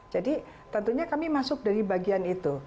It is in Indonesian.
tentunya kami masuk dari bagian itu